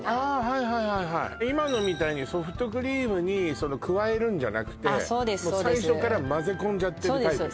はいはいはいはい今のみたいにソフトクリームに加えるんじゃなくて最初からまぜ込んじゃってるタイプね